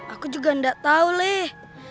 aku juga enggak tau leh